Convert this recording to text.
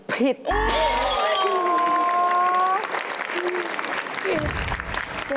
พิธี